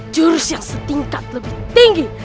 jurus yang setingkat lebih tinggi